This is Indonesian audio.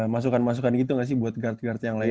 masukan masukan gitu gak sih buat guard guard yang lain